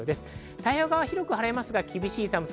太平洋側は広く晴れますが厳しい寒さ。